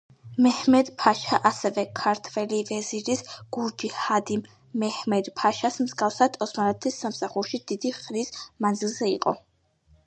მეჰმედ-ფაშა ასევე ქართველი ვეზირის, გურჯი ჰადიმ მეჰმედ-ფაშას მსგავსად, ოსმალეთის სამსახურში დიდი ხნის მანძილზე იყო.